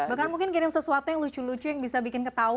bahkan mungkin kirim sesuatu yang lucu lucu yang bisa bikin ketahu